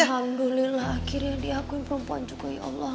alhamdulillah akhirnya diakuin perempuan juga ya allah